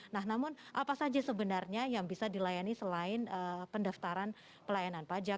nah namun apa saja sebenarnya yang bisa dilayani selain pendaftaran pelayanan pajak